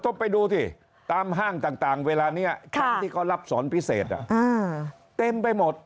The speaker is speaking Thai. ไปดูสิตามห้างต่างเวลานี้ชั้นที่เขารับสอนพิเศษเต็มไปหมด